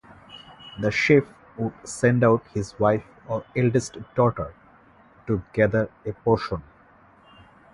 The chief would send out his wife or eldest daughter to gather a portion.